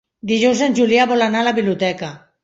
Dijous en Julià vol anar a la biblioteca.